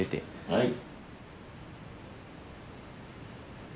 はい。